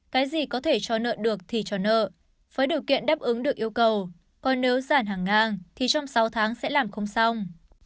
cái gì có thể cho nợ được thì cho nợ với điều kiện đáp ứng được yêu cầu còn nếu giản hàng ngang thì trong sáu tháng sẽ làm không xong